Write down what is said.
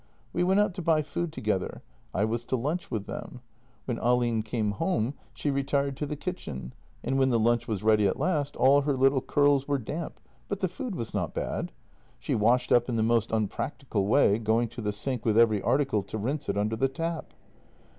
We went out to buy food together; I was to lunch with them. When Ahlin came home she retired to the kitchen, and when the lunch was ready at last, all her little curls were damp — but the food was not bad. She washed up in the most unpractical way, going to the sink with every article to rinse it under the tap.